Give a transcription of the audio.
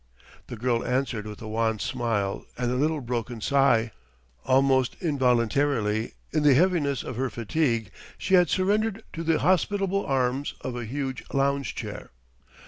The girl answered with a wan smile and a little broken sigh. Almost involuntarily, in the heaviness of her fatigue, she had surrendered to the hospitable arms of a huge lounge chair.